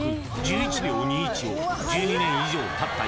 １１秒２１を１２年以上たった